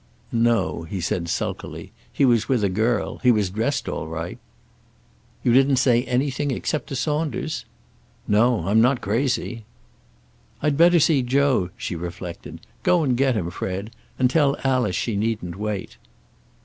"No," he said sulkily. "He was with a girl. He was dressed all right." "You didn't say anything, except to Saunders?" "No I'm not crazy." "I'd better see Joe," she reflected. "Go and get him, Fred. And tell Alice she needn't wait."